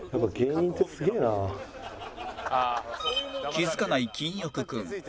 気付かない金欲君